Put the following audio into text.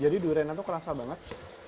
jadi duriannya tuh kerasa banget